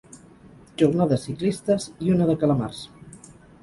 Jornades ciclistes i una de calamars.